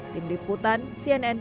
tim liputan cnn